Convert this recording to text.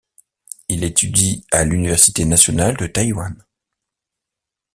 Il étudie à l'Université nationale de Taïwan.